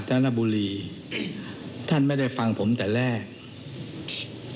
เขาไม่ได้รับความรับความรับท่านก็ยังกระพริบตาแล้วก็ถามผมอีก